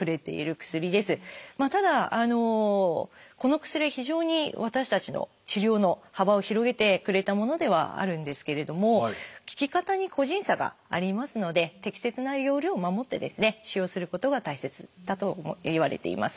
ただこの薬は非常に私たちの治療の幅を広げてくれたものではあるんですけれども効き方に個人差がありますので適切な用量を守って使用することが大切だといわれています。